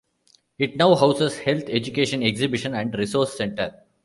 It now houses Health Education Exhibition and Resource Centre.